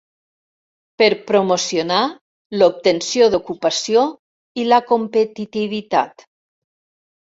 per promocionar l'obtenció d'ocupació i la competitivitat